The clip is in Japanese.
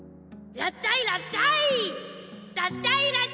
らっしゃいらっしゃい！